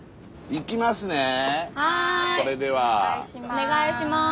お願いします。